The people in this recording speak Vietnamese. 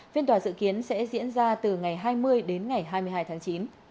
phiên tòa dự kiến sẽ diễn ra từ ngày hai mươi đến ngày hai mươi hai tháng chín